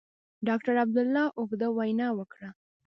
ډاکټر عبدالله اوږده وینا وکړه.